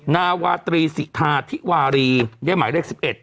นาวาตรีสิทาธิวารีได้หมายเลข๑๑